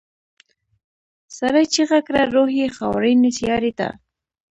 سړي چيغه کړه روح یې خاورینې سیارې ته.